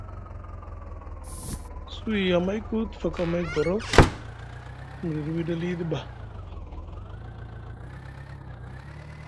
Suwi amayku te faka amay gorof te miɗiɗi wiɗi aliɗi ɓa.